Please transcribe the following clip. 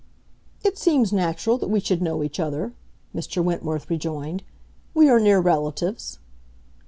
"It seems natural that we should know each other," Mr. Wentworth rejoined. "We are near relatives."